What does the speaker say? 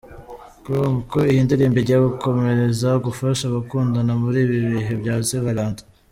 com ko iyi ndirimbo igiye gukomeza gufasha abakundana muri ibi bihe bya St Valent.